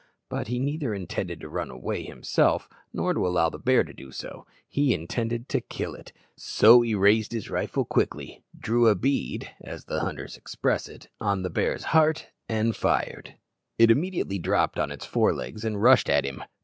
But he neither intended to run away himself nor to allow the bear to do so; he intended to kill it, so he raised his rifle quickly, "drew a bead," as the hunters express it, on the bear's heart, and fired. It immediately dropped on its fore legs and rushed at him.